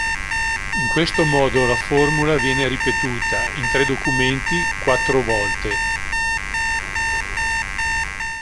In questo modo la formula viene ripetuta, in tre documenti, quattro volte.